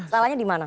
salahnya di mana